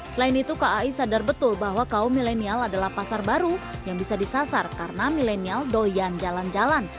selain itu kai sadar betul bahwa kaum milenial adalah pasar baru yang bisa disasar karena milenial doyan jalan jalan